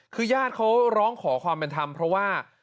คือญาติเขาร้องขอความเป็นธรรมเพราะว่า